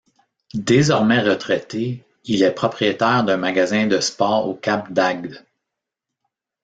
Désormais retraité, il est propriétaire d'un magasin de Sport au Cap d'Agde.